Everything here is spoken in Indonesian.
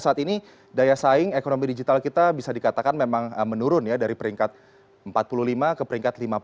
saat ini daya saing ekonomi digital kita bisa dikatakan memang menurun ya dari peringkat empat puluh lima ke peringkat lima puluh